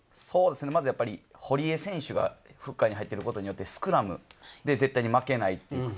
まず、堀江選手がフッカーに入ってることによって、スクラムで絶対に負けない。